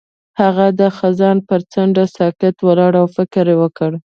هغه د خزان پر څنډه ساکت ولاړ او فکر وکړ.